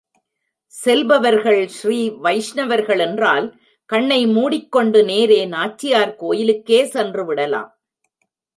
செல்பவர்கள் ஸ்ரீ வைஷ்ணவர்கள் என்றால் கண்ணை மூடிக் கொண்டு நேரே நாச்சியார் கோயிலுக்கே சென்று விடலாம்.